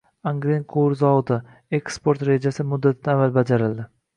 Angren quvur zavodi: eksport rejasi muddatidan avval bajarilding